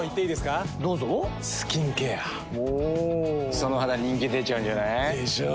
その肌人気出ちゃうんじゃない？でしょう。